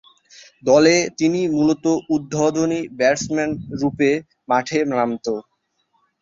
দলে তিনি মূলতঃ উদ্বোধনী ব্যাটসম্যানরূপে মাঠে নামতেন।